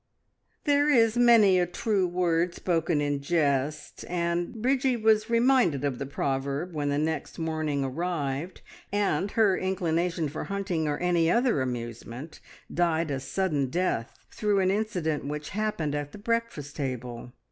There is many a true word spoken in jest, and Bridgie was reminded of the proverb when the next morning arrived, and her inclination for hunting or any other amusement died a sudden death through an incident which happened at the breakfast table.